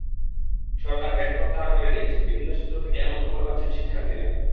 সরকার VAT প্রত্যাহার করে নিয়েছে—বিভিন্ন সূত্র থেকে এমন খবর পাচ্ছেন শিক্ষার্থীরা।